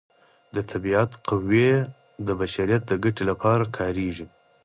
د طبیعت قوې د بشریت د ګټې لپاره کاریږي.